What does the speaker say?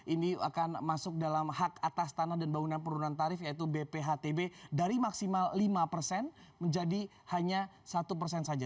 ini akan masuk dalam hak atas tanah dan bangunan penurunan tarif yaitu bphtb dari maksimal lima persen menjadi hanya satu persen saja